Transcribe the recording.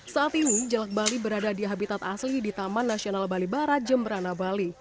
saat ini jelek bali berada di habitat asli di taman nasional bali barat jemberana bali